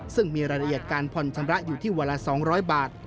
ซึ่งมีรายละเอียดการผ่อนชำระอยู่ที่วันละ๒๐๐บาท